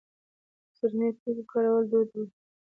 د څرمي توکو کارول دود و